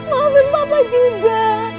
maafin papa juga